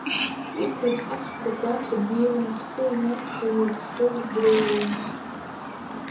Иқә иҵасқәа гәаҭо днеиуан, зхәы инаҭәҳәан изфоз дреиуан.